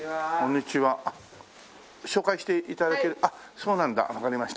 そうなんだわかりました。